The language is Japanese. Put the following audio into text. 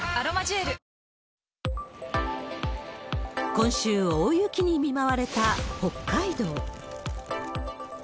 今週、大雪に見舞われた北海道。